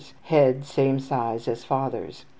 (Head same size as father's.)